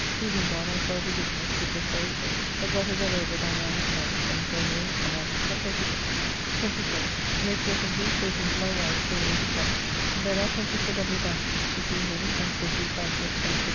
He being gone I fell to business, which was very great, but got it well over by nine at night, and so home, and after supper to bed. 24th. Lay pleasantly, talking to my wife, till 8 o'clock, then up and to Sir W. Batten's to see him and Sir G. Carteret and Sir J.